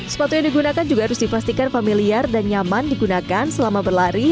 sepatu yang digunakan juga harus dipastikan familiar dan nyaman digunakan selama berlari